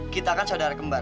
kita kan saudara gembar